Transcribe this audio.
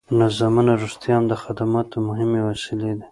نظامونه رښتیا هم د خدماتو مهمې وسیلې دي.